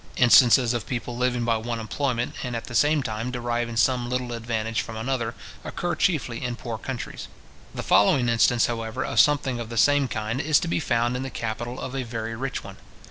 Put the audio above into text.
Instances of people living by one employment, and, at the same time, deriving some little advantage from another, occur chiefly in poor countries. The following instance, however, of something of the same kind, is to be found in the capital of a very rich one.